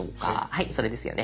はいそれですよね。